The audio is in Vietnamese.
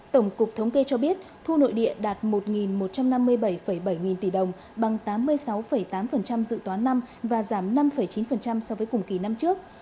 tổng cục thống kê cho biết thu nội địa đạt một một trăm năm mươi bảy bảy nghìn tỷ đồng bằng tám mươi sáu tám dự toán năm và giảm năm chín so với cùng kỳ năm trước